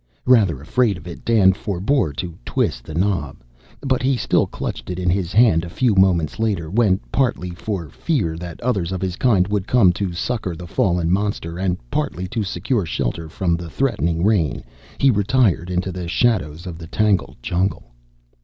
Rather afraid of it, Dan forebore to twist the knob. But he still clutched it in his hand a few moments later, when, partly for fear that others of its kind would come to succor the fallen monster, and partly to secure shelter from the threatening rain, he retired into the shadows of the tangled jungle.